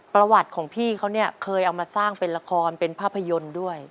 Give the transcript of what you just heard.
ประวัติของพี่เขาเนี่ยเคยเอามาสร้างเป็นละครเป็นภาพยนตร์ด้วย